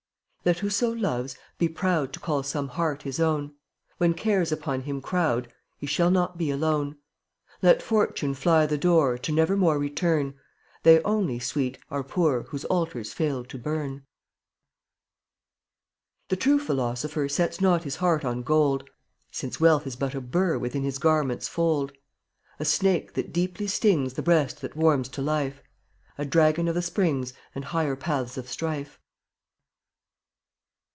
Let whoso loves be proud To call some heart his own; When cares upon him crowd He shall not be alone. Let Fortune fly the door To nevermore return; They only, Sweet, are poor Whose altars fail to burn. The true philosopher Sets not his heart on gold, Since wealth is but a burr Within his garment's fold; A snake that deeply stings The breast that warms to life; A dragon of the springs And higher paths of strife.